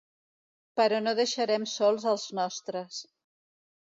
Però no deixarem sols als nostres.